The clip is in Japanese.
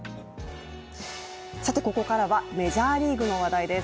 ここからはメジャーリーグの話題です。